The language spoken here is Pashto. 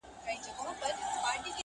اورنګ زېب سو په ژړا ویل وېرېږم٫